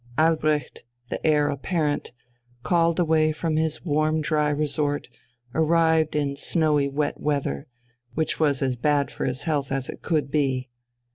Albrecht, the Heir Apparent, called away from his warm dry resort, arrived in snowy wet weather, which was as bad for his health as it could be.